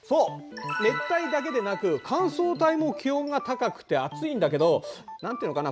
熱帯だけでなく乾燥帯も気温が高くて暑いんだけど何というのかな